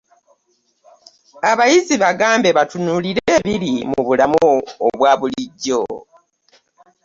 Abayizi bagambe batunuulire ebiri mu bulamu obwa bulijjo.